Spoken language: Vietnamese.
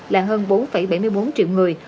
là hơn bốn bảy mươi bốn triệu người